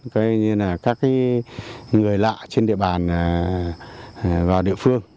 các người lạ trên địa bàn vào địa phương